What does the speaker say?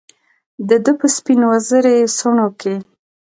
دده په سپینواوزري څڼوکې